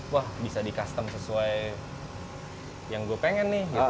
wah bisa di custom sesuai yang gue pengen nih